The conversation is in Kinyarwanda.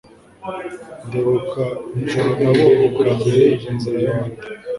ndibuka ijoro nabonye bwa mbere inzira y'amata